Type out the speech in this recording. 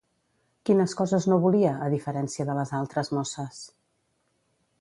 Quines coses no volia, a diferència de les altres mosses?